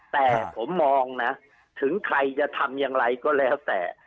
แต่ผมมองนะถึงใครจะทำอย่างไรก็แล้วแต่